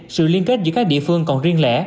sự liên kết giữa các địa phương còn riêng lẻ